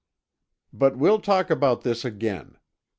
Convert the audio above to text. But we'll talk about this again.